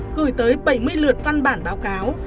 gửi tới bảy mươi lượt văn bản báo cáo